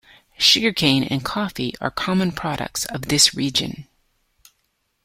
Sugar cane and coffee are common products of this region.